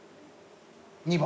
２番。